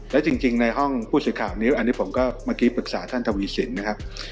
และจริงในห้องผู้สื่อข่าวนี้อันนี้ผมก็เมื่อกี้ปรึกษาท่านทวีสินนะครับ